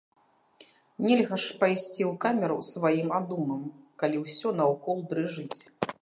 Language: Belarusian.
Нельга ж пайсці ў камеру сваім адумам, калі ўсё наўкол дрыжыць.